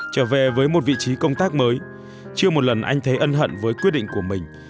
trở về với một vị trí công tác mới chưa một lần anh thấy ân hận với quyết định của mình